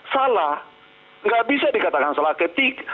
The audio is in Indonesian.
salah nggak bisa dikatakan salah ketik